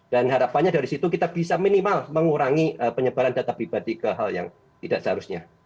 dan harapannya dari situ kita bisa minimal mengurangi penyebaran data pribadi ke hal yang tidak seharusnya